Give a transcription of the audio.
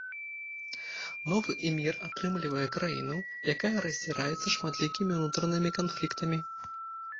Новы эмір атрымлівае краіну, якая раздзіраецца шматлікімі ўнутранымі канфліктамі.